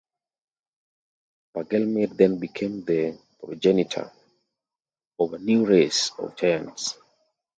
Bergelmir then became the progenitor of a new race of giants.